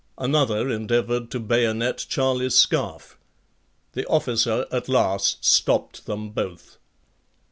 Another endeavoured to bayonet Charlie Scarfe. The officer at last stopped them both.